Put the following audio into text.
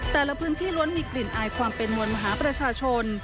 แต่ละพื้นที่ล้วนมีกลิ่นอายความเป็นมวลมหาประชาชน